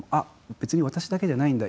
別に私だけじゃないんだ。